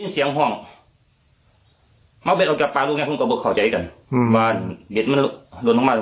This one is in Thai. เสียงห้องเบ็ดออกจากปลาลูกเนี้ยคุณก็บอกเข้าใจกันอืม